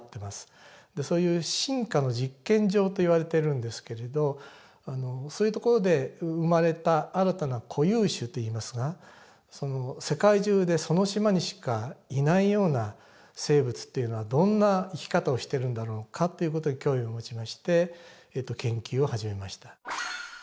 そういう進化の実験場といわれているんですけれどそういう所で生まれた新たな固有種といいますが世界中でその島にしかいないような生物っていうのはどんな生き方をしてるんだろうかという事で興味を持ちまして研究を始めました。